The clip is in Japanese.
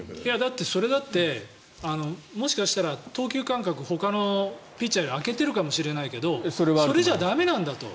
それだって、もしかしたら投球間隔ほかのピッチャーより空けてるかもしれないけどそれじゃ駄目なんだと。